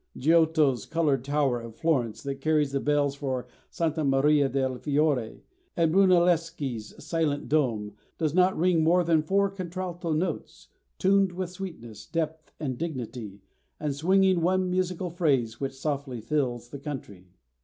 Giotto's coloured tower in Florence, that carries the bells for Santa Maria del Fiore and Brunelleschi's silent dome, does not ring more than four contralto notes, tuned with sweetness, depth, and dignity, and swinging one musical phrase which softly fills the country.